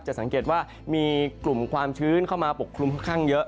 สังเกตว่ามีกลุ่มความชื้นเข้ามาปกคลุมค่อนข้างเยอะ